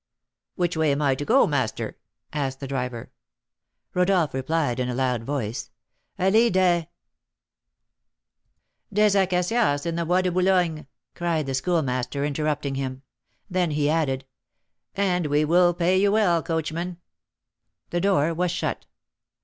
"Which way am I to go, master?" asked the driver. Rodolph replied, in a loud voice: "Allée des " "Des Acacias, in the Bois de Boulogne," cried the Schoolmaster, interrupting him. Then he added, "And we will pay you well, coachman." The door was shut.